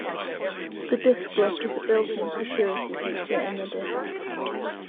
The disk lock is a built-in security feature in the disk.